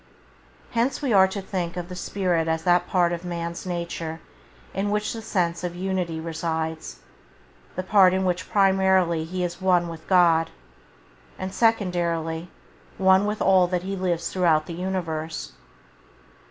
Hence we are to think of the spirit as that part of man's nature in which the sense of unity resides, the part in which primarily he is one with God, and secondarily one with all that lives throughout the universe.